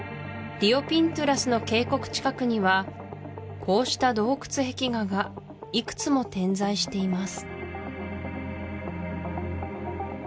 リオ・ピントゥラスの渓谷近くにはこうした洞窟壁画がいくつも点在しています